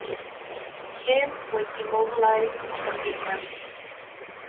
Kim was demobilized from the army.